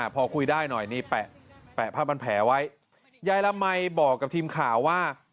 พอคุยได้หน่อยนี่แปะผ้าพันแผลไว้ยายละมัยบอกกับทีมข่าวว่า